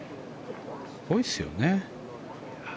すごいですよね。